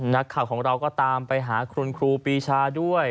นักข่าวของเราก็ตามไปหาคุณครูปีชาด้วย